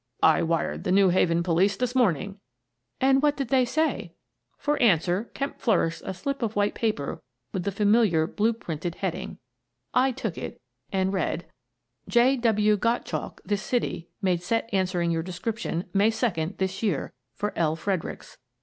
" I wired the New Haven police this morning." " And what did they say? " For answer, Kemp flourished a slip of white paper with the familiar blue printed heading. I took it and read: Kemp Learns the Truth 107 == =====3 " J. W. Gottchalk, this city, made set answering your description, May second, this year, for L. Fredericks.